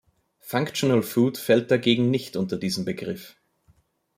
Functional Food fällt dagegen nicht unter diesen Begriff.